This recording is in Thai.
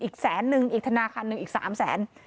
อีกแสนนึงอีกธนาคารหนึ่งอีก๓แสน